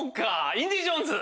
『インディ・ジョーンズ』。